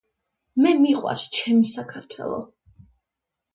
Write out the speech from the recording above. მე მიყვარს ჩემი საქართველო.